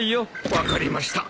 分かりました。